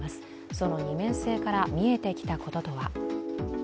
その二面性から見えてきたこととは。